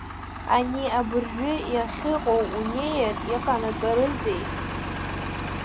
Ани абыржәы иахьыҟоу унеир иҟанаҵарызеи?